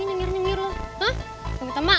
ini mereka yang sudah jadi stres